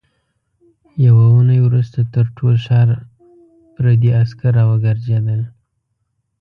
يوه اوونۍ وروسته تر ټول ښار پردي عسکر راوګرځېدل.